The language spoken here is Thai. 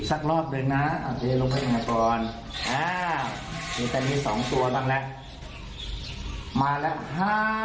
อันนี้ก็จะมีสองตัวบ้างละมาแล้ว๕